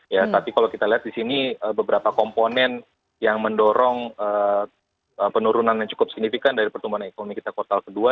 ya tapi kalau kita lihat di sini beberapa komponen yang mendorong penurunan yang cukup signifikan dari pertumbuhan ekonomi kita kuartal kedua